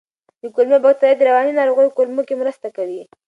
د کولمو بکتریاوې د رواني ناروغیو کمولو کې مرسته کوي.